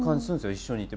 一緒にいて。